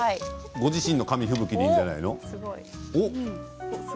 ご自身の紙吹雪でいいんじゃないの？